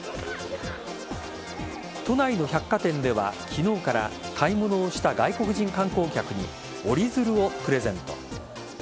都内の百貨店では昨日から買い物をした外国人観光客に折り鶴をプレゼント。